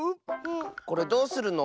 これどうするの？